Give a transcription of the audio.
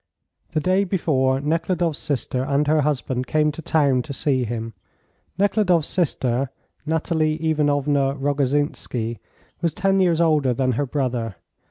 The day before, Nekhludoff's sister and her husband came to town to see him. Nekhludoff's sister, Nathalie Ivanovna Rogozhinsky, was 10 years older than her brother.